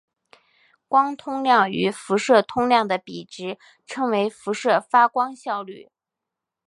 光通量与辐射通量的比值称为辐射发光效率。